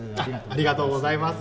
ありがとうございます。